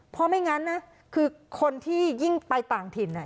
เพราะไม่งั้นนะคือคนที่ยิ่งไปต่างถิ่น